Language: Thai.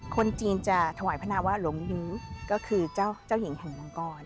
คนจีนจะถวายพนาวะหลงยื้อก็คือเจ้าหญิงแห่งมังกร